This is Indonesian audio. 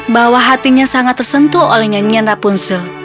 bahwa hatinya sangat tersentuh oleh nyanyian rapunzel